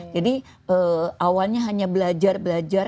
awalnya hanya belajar belajar